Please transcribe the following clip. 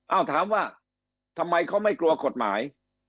เอาถามว่าทำไมเขาไม่กลัวกฎหมาย